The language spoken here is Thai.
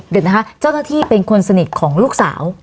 เดี๋ยวนะคะเจ้าหน้าที่เป็นคนสนิทของลูกสาว